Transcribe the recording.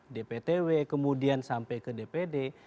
dptw kemudian sampai ke dpd